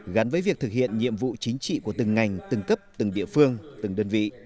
gắn với việc thực hiện nhiệm vụ chính trị của từng ngành từng cấp từng địa phương từng đơn vị